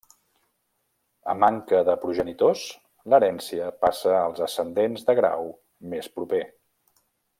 A manca de progenitors, l'herència passa als ascendents de grau més proper.